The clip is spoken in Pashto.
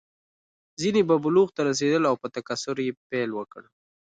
ځینې به بلوغ ته رسېدل او په تکثر یې پیل وکړ.